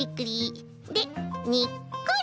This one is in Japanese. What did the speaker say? でにっこり！